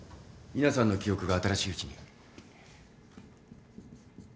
皆さんの記憶が新しいうちに。